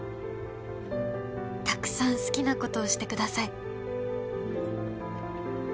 「たくさん好きなことをしてください」